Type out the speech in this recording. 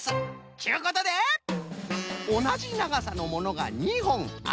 ちゅうことでおなじながさのものが２ほんある。